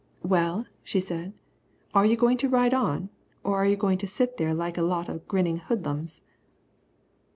"Well," she said, "are you going to ride on? Or are you going to sit there like a lot of grinning hoodlums?"